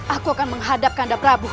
aku akan menghadapkan daprabu